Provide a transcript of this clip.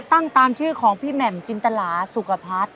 ตั้งตามชื่อของพี่แหม่มจินตระสุกภัทธ์